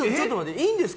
いいんですか？